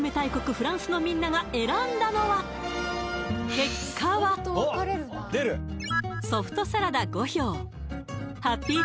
フランスのみんなが選んだのはソフトサラダ５票ハッピー